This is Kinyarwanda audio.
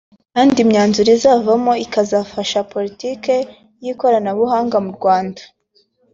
kandi imyanzuro ivamo ikazafasha politiki y’ikoranabuhanga mu Rwanda